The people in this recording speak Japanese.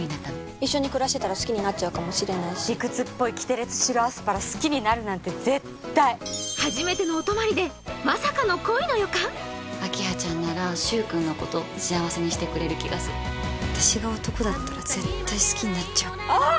一緒に暮らしてたら好きになっちゃうかもしれないし理屈っぽいキテレツ白アスパラ好きになるなんて絶対明葉ちゃんなら柊君のこと幸せにしてくれる気がする私が男だったら絶対好きになっちゃうああっ！